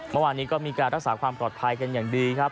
เมื่อวานนี้ก็มีการรักษาความปลอดภัยกันอย่างดีครับ